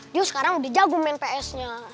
dio sekarang udah jago main ps nyah